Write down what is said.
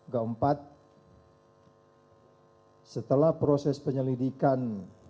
keempat setelah proses penyelidikan